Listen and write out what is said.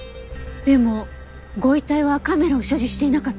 でもご遺体はカメラを所持していなかったわ。